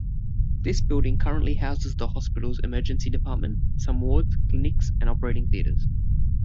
This building currently houses the hospital's emergency department, some wards, clinics and operating theatres.